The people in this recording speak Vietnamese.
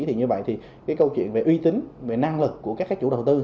thì như vậy thì cái câu chuyện về uy tín về năng lực của các chủ đầu tư